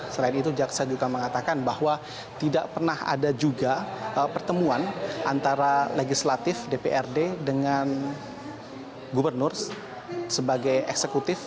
selain itu jaksa juga mengatakan bahwa tidak pernah ada juga pertemuan antara legislatif dprd dengan gubernur sebagai eksekutif